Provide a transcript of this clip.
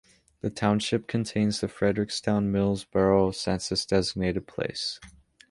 The township contains the Frederickstown-Millsboro census-designated place.